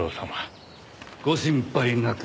ご心配なく。